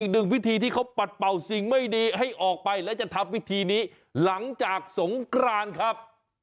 อีกหนึ่งพิธีที่เขาปัดเป่าสิ่งไม่ดีให้ออกไปและจะทำพิธีนี้หลังจากสงกรานครับ